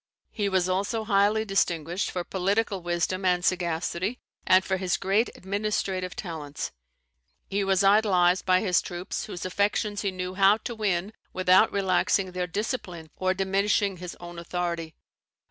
He was also highly distinguished for political wisdom and sagacity, and for his great administrative talents. He was idolised by his troops, whose affections he knew how to win without relaxing their discipline or diminishing his own authority.